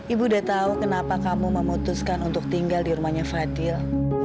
ibu udah tahu kenapa kamu memutuskan untuk tinggal di rumahnya fadil